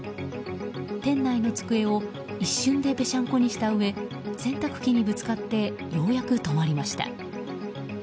店内の机を一瞬でぺしゃんこにしたうえ洗濯機にぶつかってようやく止まりました。